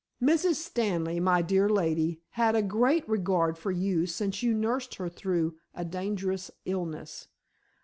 "Mrs. Stanley, my dear lady, had a great regard for you since you nursed her through a dangerous illness.